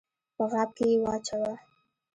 په غاب کي یې واچوه !